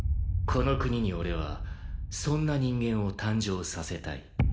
この国に俺はそんな人間を誕生させたい。